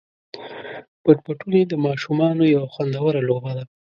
پټ پټوني د ماشومانو یوه خوندوره لوبه ده.